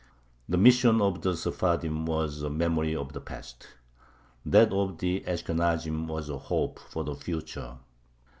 The mission of the Sephardim was a memory of the past; that of the Ashkenazim was a hope for the future.